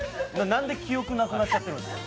何で記憶なくなっちゃってるんですか。